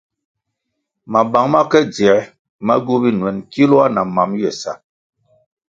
Mabang ma ke dzier ma gywu binuen kiloah na mam ywe sa.